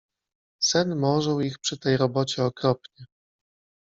Sen morzył ich przy tej robocie okropnie.